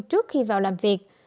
trước khi vào làm việc